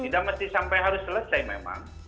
yang tidak sampai harus selesai memang